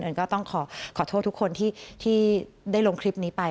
ก็ต้องขอโทษทุกคนที่ได้ลงคลิปนี้ไป